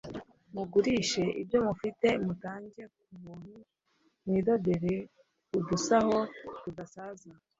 Mugurishe ibyo mufite, mutange ku buntu, mwidodere udusaho tudasaza,